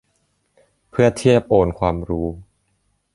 เพื่อเทียบโอนความรู้